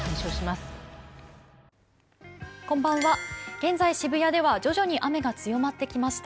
現在、渋谷では徐々に雨が強まってきました。